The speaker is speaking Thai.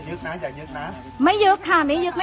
หนูก็คิดอาหารอาหารว่าผมหาเรื่องนะ